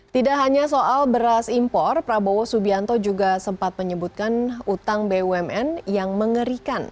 tidak hanya soal beras impor prabowo subianto juga sempat menyebutkan utang bumn yang mengerikan